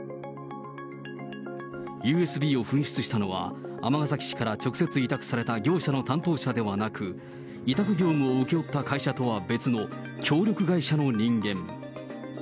ＵＳＢを紛失したのは、尼崎市から直接委託された業者の担当者ではなく、委託業務を請け負った会社とは別の協力会社の人間。